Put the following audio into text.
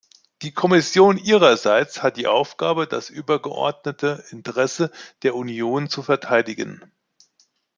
Die Kommission ihrerseits hat die Aufgabe, das übergeordnete Interesse der Union zu verteidigen.